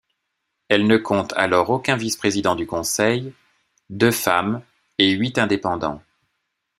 Elle ne compte alors aucun vice-président du Conseil, deux femmes et huit indépendants.